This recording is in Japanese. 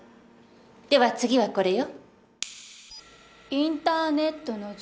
では次はこれよ。